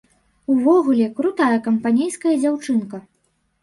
Увогуле, крутая, кампанейская дзяўчынка!